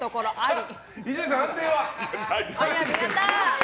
伊集院さん、判定は？